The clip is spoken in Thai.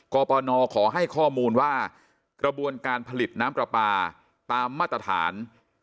ปปนขอให้ข้อมูลว่ากระบวนการผลิตน้ำปลาปลาตามมาตรฐาน